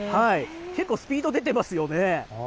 けっこうスピード出てますよね。